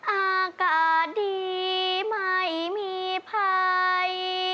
อากาศดีไม่มีภัย